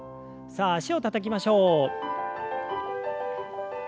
さあ脚をたたきましょう。